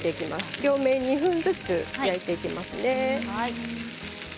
両面２分ずつ焼いていきますね。